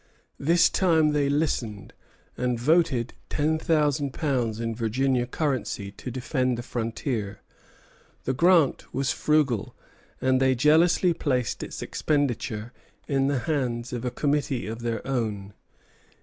This time they listened; and voted ten thousand pounds in Virginia currency to defend the frontier. The grant was frugal, and they jealously placed its expenditure in the hands of a committee of their own.